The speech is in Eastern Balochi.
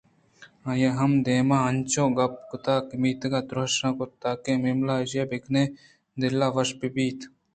آئی ءَ مئے دیم ءَ انچیں گپ کُتءُامیت درشان کُت تاکہ ایمیلیا اِش بہ کنت ءُدل ءَ وش بہ بیت کہ آئی ءِ بدواہ پرٛوش ورگ ءَ اَنت